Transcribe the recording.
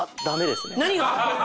何が？